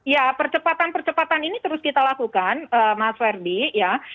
ya percepatan percepatan ini terus kita lakukan mas ferdy